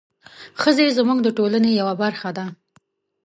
ښځې زموږ د ټولنې یوه برخه ده.